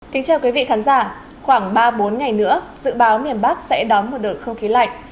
kính chào quý vị khán giả khoảng ba bốn ngày nữa dự báo miền bắc sẽ đón một đợt không khí lạnh